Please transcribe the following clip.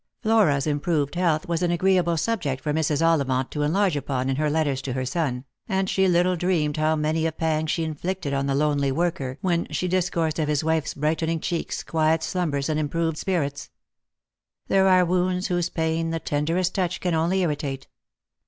Flora's improved health was an agreeable subject for Mrs. Ollivant to enlarge upon in her letters to her son, and she little dreamed how many a pang she inflicted on the lonely worker when she discoursed of his wife's brightening cheeks quiet slumbers, and improved spirits. There are wounds whose pain the tenderest touch can only irritate.